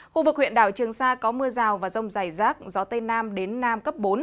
khu vực huyện đảo trường sa có mưa rào và rông dày rác gió tây nam đến nam cấp bốn